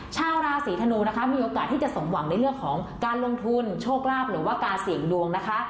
ชาวราศีธนูนะคะมีโอกาสที่จะสมหวังในเรื่องของการลงทุนโชคลาภหรือว่าการเสี่ยงดวงนะคะ